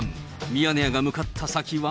ミヤネ屋が向かった先は。